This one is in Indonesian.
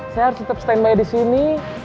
saya harus tetap stand by di sini